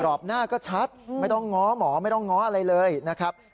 รอบหน้าก็ชัดไม่ต้องง้อหมอไม่ต้องง้ออะไรเลยนะครับ